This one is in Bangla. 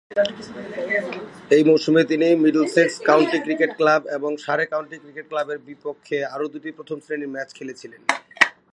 সেই মৌসুমে তিনি মিডলসেক্স কাউন্টি ক্রিকেট ক্লাব এবং সারে কাউন্টি ক্রিকেট ক্লাবের বিপক্ষে আরও দুটি প্রথম শ্রেণীর ম্যাচ খেলেছিলেন।